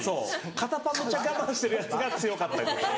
肩パンめっちゃ我慢してるヤツが強かったりとか。